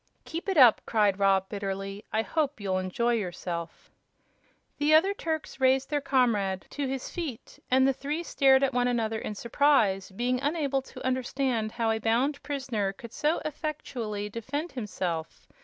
"Keep it up!" cried Rob, bitterly. "I hope you'll enjoy yourself." The other Turks raised their comrade to his feet, and the three stared at one another in surprise, being unable to understand how a bound prisoner could so effectually defend himself.